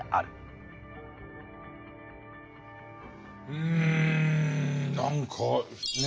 うん何かね